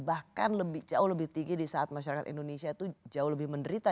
bahkan jauh lebih tinggi di saat masyarakat indonesia itu jauh lebih menderita